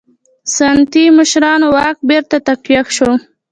سنتي مشرانو واک بېرته تقویه شو.